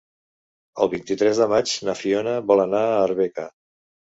El vint-i-tres de maig na Fiona vol anar a Arbeca.